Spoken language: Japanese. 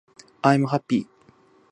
i'm happy